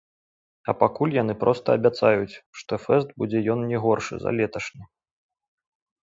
А пакуль яны проста абяцаюць, што фэст будзе ён не горшы за леташні.